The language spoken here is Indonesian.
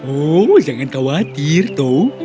oh jangan khawatir toh